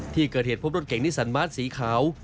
ที่เกิดเหตุพบรถเก่งนิสันมาสสีขาว